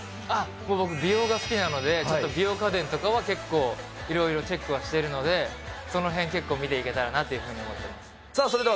あっ、僕、美容が好きなので、ちょっと美容家電とかは結構、いろいろチェックはしてるので、そのへん、結構見ていけたらなっていうふうに思っています。